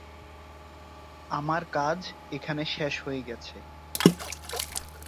আমার কাজ এখানে শেষ হয়ে গেছে।